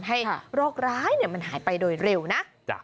โรคร้ายมันหายไปโดยเร็วนะ